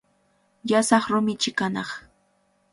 Llasaq rumichi kanaq.